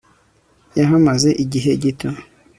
yahamaze igihe gito